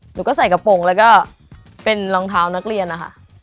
หนูก็ใส่กระโปรงแล้วก็เป็นรองเท้านักเรียนนะคะ